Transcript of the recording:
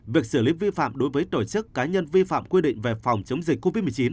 việc xử lý vi phạm đối với tổ chức cá nhân vi phạm quy định về phòng chống dịch covid một mươi chín